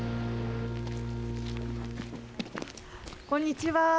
こんにちは。